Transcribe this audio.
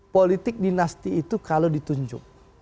politik dinasti itu kalau ditunjuk